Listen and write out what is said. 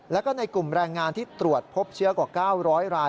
แล้วก็ในกลุ่มแรงงานที่ตรวจพบเชื้อกว่า๙๐๐ราย